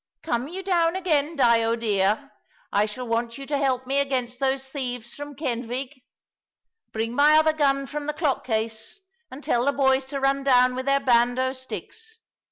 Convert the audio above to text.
"Come you down again, Dyo dear. I shall want you to help me against those thieves from Kenfig. Bring my other gun from the clock case, and tell the boys to run down with their bando sticks.